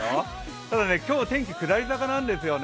ただね、今日は天気、下り坂なんですよ。